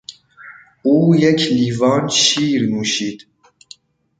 او یک لیوان شیر نوشید.